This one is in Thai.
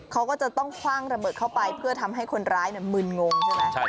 เขาก็จะต้องคว่างระเบิดเข้าไปเพื่อทำให้คนร้ายมึนงงใช่ไหม